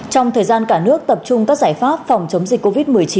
trong thời gian cả nước tập trung các giải pháp phòng chống dịch covid một mươi chín